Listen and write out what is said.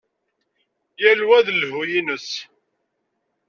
Yal wa d llhu-ines.